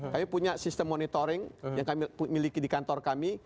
kami punya sistem monitoring yang kami miliki di kantor kami